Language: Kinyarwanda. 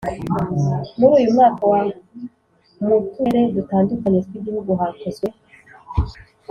Muri uyu mwaka wa mu turere dutandukanye tw igihugu hakozwe